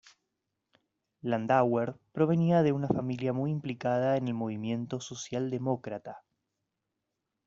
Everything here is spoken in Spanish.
Landauer provenía de una familia muy implicada en el movimiento socialdemócrata.